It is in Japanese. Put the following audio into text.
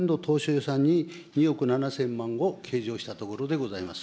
予算に２億７０００万を計上したところでございます。